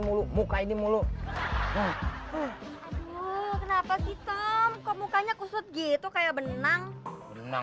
mulu muka ini mulu hai kenapa sih tom kok mukanya kusut gitu kayak benang benang